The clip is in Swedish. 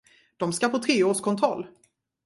De ska på treårskontroll.